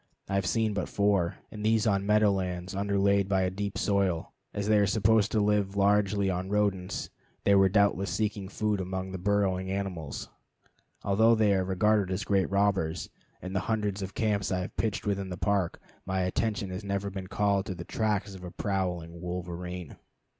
I have seen but four, and these on meadow lands underlaid by a deep soil. As they are supposed to live largely on rodents, they were doubtless seeking food among the burrowing animals. Although they are regarded as great robbers, in the hundreds of camps I have pitched within the Park my attention has never been called to the tracks of a prowling wolverene.